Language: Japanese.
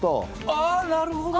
あなるほど！